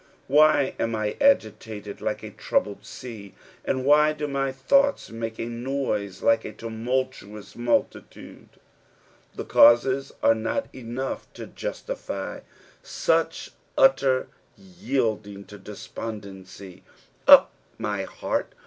Why am I agitated like a troubled sea, and why do my thoughts make a noise like a tumultuous, multitude ) The causes are not enough to justify such utter yielding to dugpandency. Up, my heart!